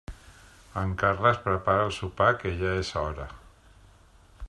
En Carles prepara el sopar que ja és hora.